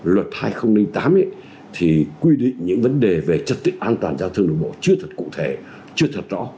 lý do thứ hai luật hai nghìn tám thì quy định những vấn đề về trật tự an toàn giao thông đường bộ chưa thật cụ thể chưa thật rõ